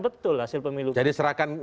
betul hasil pemilu jadi serahkan